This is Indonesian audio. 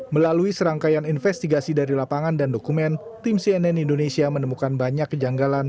melalui serangkaian investigasi dari lapangan dan dokumen tim cnn indonesia menemukan banyak kejanggalan